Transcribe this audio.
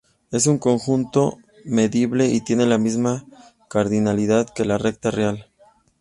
Es un conjunto medible y tiene la misma cardinalidad que la recta real.